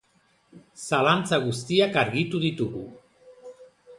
Zalantza guztiak argitu ditugu!